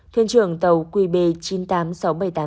thuyền trưởng tàu qb chín mươi tám nghìn sáu trăm bảy mươi tám